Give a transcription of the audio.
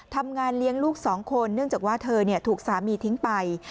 ทำงานเลี้ยงลูกสองคนเนื่องจากว่าเธอถูกสามีทิ้งไป